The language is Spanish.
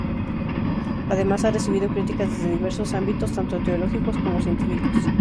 Además, ha recibido críticas desde diversos ámbitos, tanto teológicos como científicos.